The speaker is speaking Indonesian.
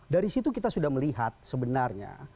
dari situ kita sudah melihat sebenarnya